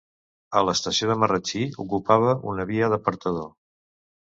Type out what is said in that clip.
A l'estació de Marratxí ocupava una via d'apartador.